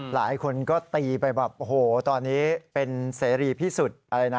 หลายคนก็ตีไปแบบโหตอนนี้เป็นเศรษฐีพี่สุด